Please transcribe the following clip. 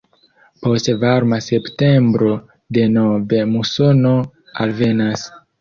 Post varma septembro denove musono alvenas.